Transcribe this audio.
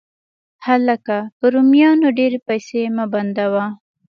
هلکه! په رومیانو ډېرې پیسې مه بندوه